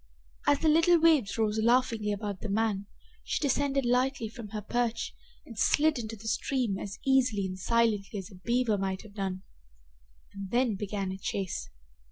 As the little waves rose laughingly about the man, she descended lightly from her perch and slid into the stream as easily and silently as a beaver might have done. And then began a chase.